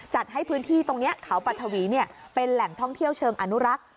จัดให้พื้นที่ตรงนี้เขาปัทวีเป็นแหล่งท่องเที่ยวเชิงอนุรักษ์